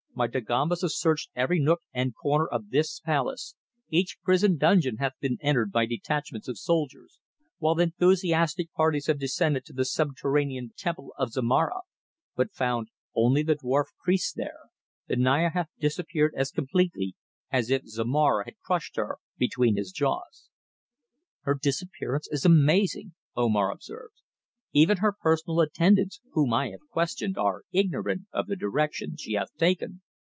My Dagombas have searched every nook and corner of this thy palace, each prison dungeon hath been entered by detachments of soldiers, while enthusiastic parties have descended to the subterranean Temple of Zomara, but found only the dwarf priests there. The Naya hath disappeared as completely as if Zomara had crushed her between his jaws." "Her disappearance is amazing," Omar observed. "Even her personal attendants whom I have questioned are ignorant of the direction she hath taken.